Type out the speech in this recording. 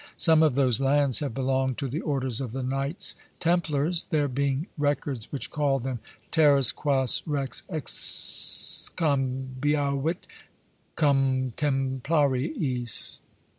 Some of those lands have belonged to the orders of the Knights Templers, there being records which call them, Terras quas Rex excambiavit cum Templariis.